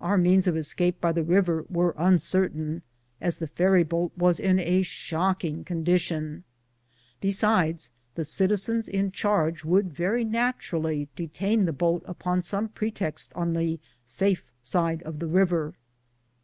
Our means of escape by the river were uncertain, as the ferry boat was in a shocking condition ; besides, the citizens in charge would very naturally detain the boat upon some pretext on the safe side of the river.